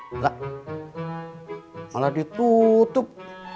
enggak malah ditutup